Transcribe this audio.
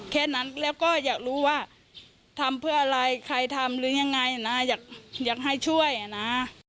แค่นั้นแล้วก็อยากรู้ว่าทำเพื่ออะไรใครทำหรือยังไงนะอยากให้ช่วยนะ